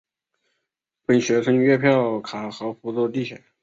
分学生月票卡和福州地铁。